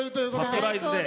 サプライズで。